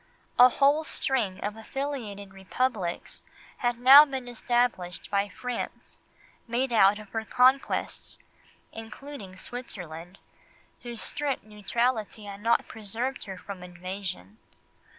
A whole string of affiliated Republics had now been established by France, made out of her conquests—including Switzerland, whose strict neutrality had not preserved her from invasion.